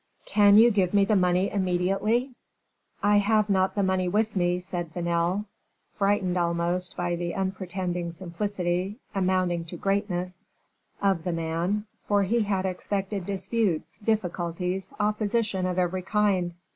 "Can you give me the money immediately?" "I have not the money with me," said Vanel, frightened almost by the unpretending simplicity, amounting to greatness, of the man, for he had expected disputes, difficulties, opposition of every kind.